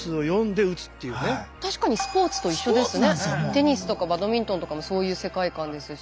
テニスとかバドミントンとかもそういう世界観ですし。